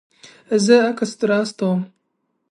زه عکس در استوم